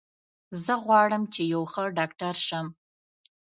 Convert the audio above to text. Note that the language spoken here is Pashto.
زه غواړم چې یو ښه ډاکټر شم